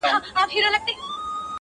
انګولاوي به خپرې وې د لېوانو!.